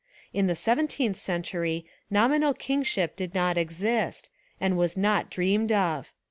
In the seventeenth century nominal kingship did not exist, and was not dreamed of.